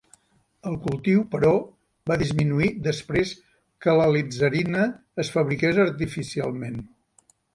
El cultiu, però, va disminuir després que l'alitzarina es fabriqués artificialment.